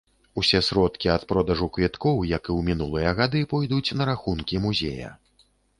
Усе сродкі ад продажу квіткоў, як і ў мінулыя гады, пойдуць на рахункі музея.